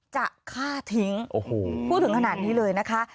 จะฆ่าทิ้งโอ้โหพูดถึงขนาดนี้เลยนะคะ